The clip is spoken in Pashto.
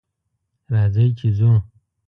راځئ چې ځو